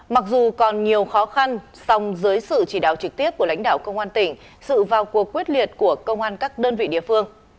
mặc dù còn nhiều khó khăn song dưới sự chỉ đạo trực tiếp của lãnh đạo công an tỉnh sự vào cuộc quyết liệt của công an các đơn vị địa phương